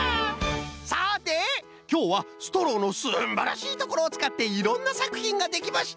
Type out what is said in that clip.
さてきょうはストローのすんばらしいところをつかっていろんなさくひんができました！